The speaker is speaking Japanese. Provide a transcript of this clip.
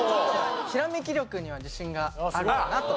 ひらめき力には自信があるかなと。